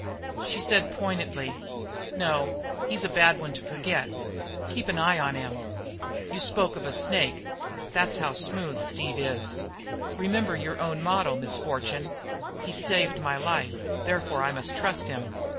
She said pointedly: "No, he's a bad one to forget; keep an eye on him. You spoke of a snake that's how smooth Steve is." "Remember your own motto, Miss Fortune. He saved my life; therefore I must trust him."